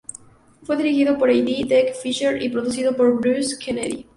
Fue dirigido por Heidi Dehncke-Fisher y producido por Bruce Kennedy.